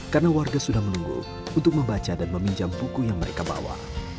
karena warga sudah menunggu untuk membaca dan meminjam buku yang mereka bawa